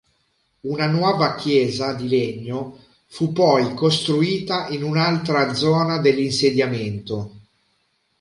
Una nuova chiesa di legno fu poi costruita in un’altra zona dell’insediamento.